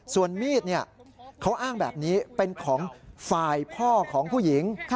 ส่วนมีดเขาอ้างแบบนี้เป็นของฝ่ายพ่อของผู้หญิง